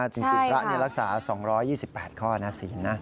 จริงพระรักษา๒๒๘ข้อนะศีลนะ